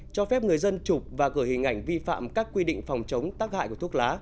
cho phép người dân chụp và gửi hình ảnh vi phạm các quy định phòng chống tác hại của thuốc lá